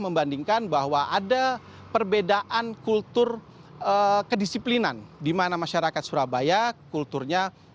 membandingkan bahwa ada perbedaan kultur kedisiplinan dimana masyarakat surabaya kulturnya